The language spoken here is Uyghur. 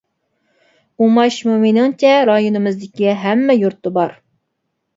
ئۇماچمۇ مېنىڭچە رايونىمىزدىكى ھەممە يۇرتتا بار.